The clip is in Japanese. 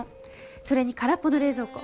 それに空っぽの冷蔵庫。